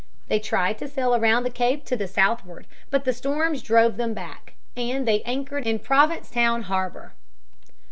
They tried to sail around the cape to the southward, but storms drove them back, and they anchored in Provincetown harbor.